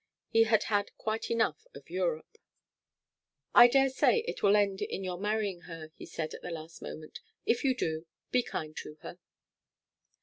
He had had quite enough of Europe. 'I daresay it will end in your marrying her,' he said, at the last moment. 'If you do, be kind to her.'